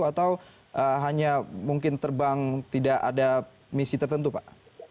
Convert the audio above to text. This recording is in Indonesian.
atau hanya mungkin terbang tidak ada misi tertentu pak